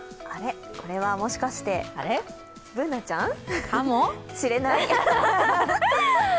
あれ、これはもしかして、Ｂｏｏｎａちゃんかもしれない。